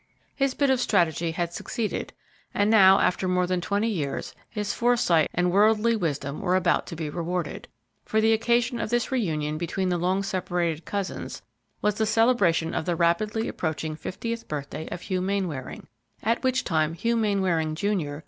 His bit of strategy had succeeded; and now, after more than twenty years, his foresight and worldly wisdom were about to be rewarded, for the occasion of this reunion between the long separated cousins was the celebration of the rapidly approaching fiftieth birthday of Hugh Mainwaring, at which time Hugh Mainwaring, Jr.